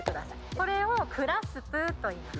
これをクラスプといいます